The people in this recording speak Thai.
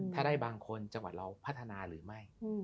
ถ้าได้บางคนจังหวัดเราพัฒนาหรือไม่